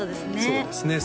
そうですね